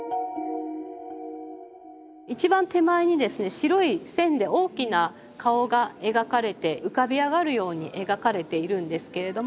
一番手前にですね白い線で大きな顔が描かれて浮かび上がるように描かれているんですけれども。